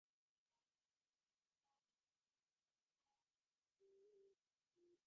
শ্রমিক কেন, অন্য পেশাজীবীদের মধ্যেও এখন একজনের আয়নির্ভর পরিবার পাওয়া কঠিন।